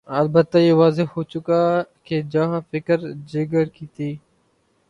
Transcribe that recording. البتہ یہ واضح ہو چکا کہ جہاں فکر جگر کی تھی۔